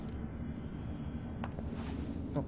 あっ。